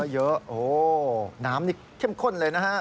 เยอะโอ้โหน้ำนี่เข้มข้นเลยนะฮะ